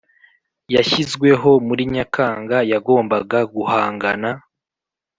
yashyizweho muri Nyakanga yagombaga guhangana